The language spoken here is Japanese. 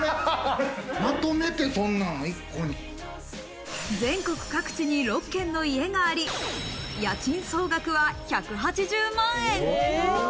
そんなの全国各地に６軒の家があり、家賃総額は１８０万円。